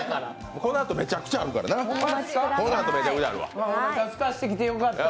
このあとめちゃくちゃあるわ。